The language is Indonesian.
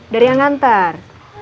dari yang nganter